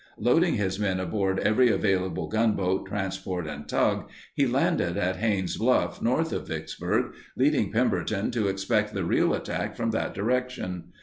Loading his men aboard every available gunboat, transport, and tug, he landed at Haynes' Bluff, north of Vicksburg, leading Pemberton to expect the real attack from that direction.